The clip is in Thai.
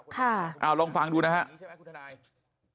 ค่ะลองฟังดูนะครับ